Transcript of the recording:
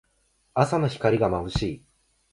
朝の光がまぶしい。